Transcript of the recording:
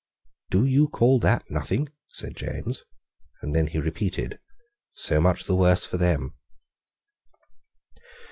"Do you call that nothing?" said James. And then he repeated, "So much the worse for them."